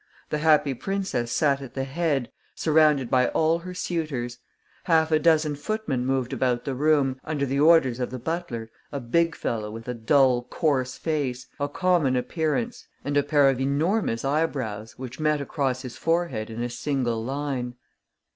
The Happy Princess sat at the head, surrounded by all her suitors. Half a dozen footmen moved about the room, under the orders of the butler, a big fellow with a dull, coarse face, a common appearance and a pair of enormous eyebrows which met across his forehead in a single line.